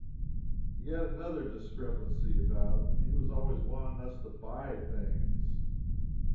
He had another "discrepancy" about him. He was always wanting us to buy things.